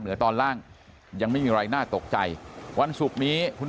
เหนือตอนล่างยังไม่มีอะไรน่าตกใจวันศุกร์นี้คุณ